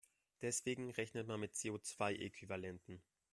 Deswegen rechnet man mit CO-zwei-Äquivalenten.